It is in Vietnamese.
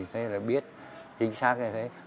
thế là biết chính xác như thế